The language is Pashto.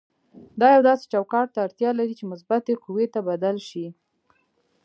دا یو داسې چوکاټ ته اړتیا لري چې مثبتې قوې ته بدل شي.